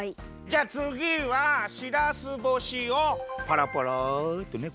じゃあつぎはしらす干しをぱらぱらってね